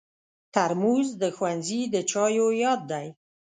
ترموز د ښوونځي د چایو یاد دی.